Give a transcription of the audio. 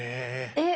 えっ！